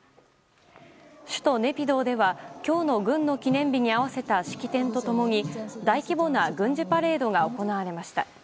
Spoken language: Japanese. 首都ネピドーでは今日の軍の記念日に合わせた式典と共に大規模な軍事パレードが行われました。